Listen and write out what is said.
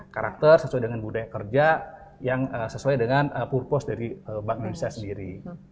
karakter sesuai dengan budaya kerja yang sesuai dengan purpose dari bank indonesia sendiri